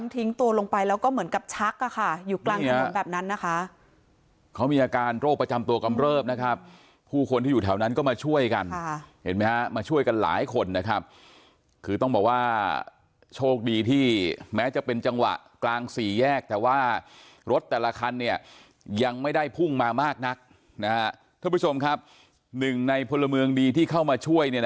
ทิ้งตัวลงไปแล้วก็เหมือนกับชักค่ะอยู่กลางถนนแบบนั้นนะคะเขามีอาการโรคประจำตัวกำเริบนะครับผู้คนที่อยู่แถวนั้นก็มาช่วยกันเห็นไหมฮะมาช่วยกันหลายคนนะครับคือต้องบอกว่าโชคดีที่แม้จะเป็นจังหวะกลางสี่แยกแต่ว่ารถแต่ละคันเนี่ยยังไม่ได้พุ่งมามากนักนะฮะท่านผู้ชมครับหนึ่งในพลเมืองดีที่เข้ามาช่วยเนี่ย